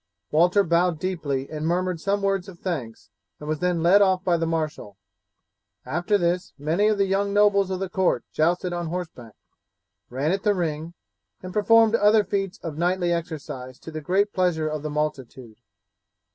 Walter bowed deeply and murmured some words of thanks, and was then led off by the marshal. After this many of the young nobles of the court jousted on horseback, ran at the ring, and performed other feats of knightly exercise to the great pleasure of the multitude.